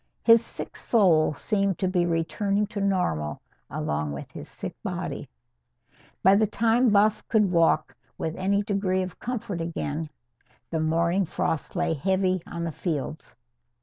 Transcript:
His sick soul seemed to be returning to normal along with his sick body. By the time Buff could walk with any degree of comfort again, the morning frost lay heavy on the fields.